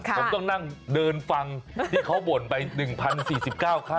ผมต้องนั่งเดินฟังที่เขาบ่นไป๑๐๔๙ขั้น